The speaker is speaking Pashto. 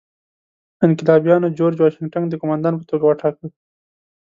انقلابیانو جورج واشنګټن د قوماندان په توګه وټاکه.